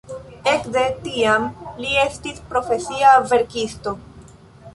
Ekde tiam li estis profesia verkisto.